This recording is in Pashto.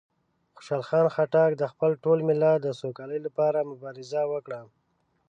خوشحال خان خټک د خپل ټول ملت د سوکالۍ لپاره مبارزه وکړه.